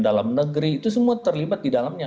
dalam negeri itu semua terlibat di dalamnya